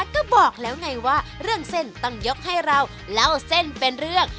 ก็บอกแล้วไงว่าเรื่องเส้นต้องยกให้เราเล่าเส้นเป็นเรื่อง